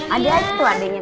ada aja tuh adenya